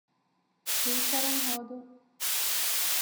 ޓީޗަރުން ހޯދުން